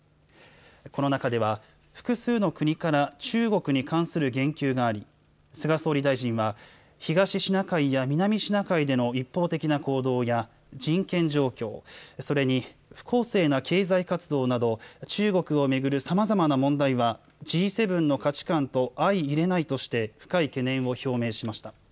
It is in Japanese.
この中では複数の国から中国に関する言及があり菅総理大臣は東シナ海や南シナ海での一方的な行動や人権状況それに不公正な経済活動など中国をめぐるさまざまな問題はＧ７の価値観と相いれないとして深い懸念を表明しました。